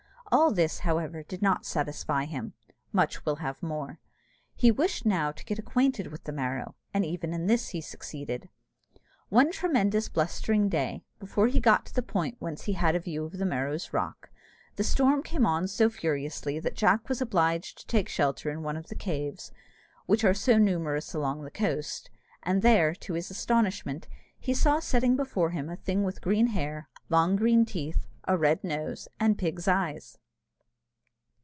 All this, however, did not satisfy him "much will have more;" he wished now to get acquainted with the Merrow, and even in this he succeeded. One tremendous blustering day, before he got to the point whence he had a view of the Merrow's rock, the storm came on so furiously that Jack was obliged to take shelter in one of the caves which are so numerous along the coast; and there, to his astonishment, he saw sitting before him a thing with green hair, long green teeth, a red nose, and pig's eyes.